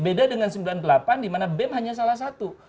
beda dengan sembilan puluh delapan di mana bem hanya salah satu